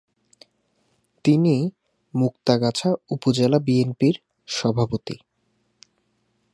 তিনি মুক্তাগাছা উপজেলা বিএনপির সভাপতি।